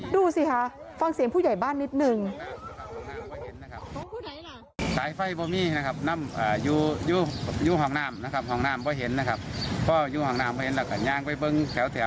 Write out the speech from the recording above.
ดูสิคะฟังเสียงผู้ใหญ่บ้านนิดนึง